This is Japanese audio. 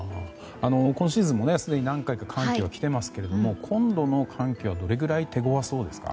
今シーズンもすでに何回か寒気は来てますが今度の寒気はどれぐらい手ごわそうですか？